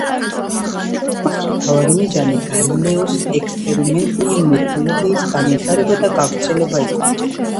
მათი მთავარი მიზანი გალილეოს ექსპერიმენტული მეთოდოლოგიის განვითარება და გავრცელება იყო.